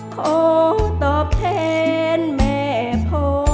ขอตอบแทนแม่พ่อ